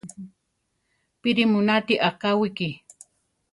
¿Píri mu náti akáwiki?